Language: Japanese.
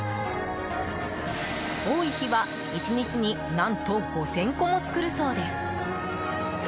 多い日は１日に何と５０００個も作るそうです。